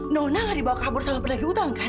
nona gak dibawa kabur sama penagih utang kan